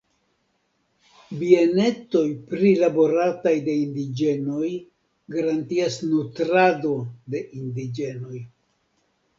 Bienetoj prilaborataj de indiĝenoj garantias nutradon de indiĝenoj.